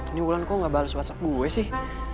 ini hulan kok gak bales whatsapp gue sih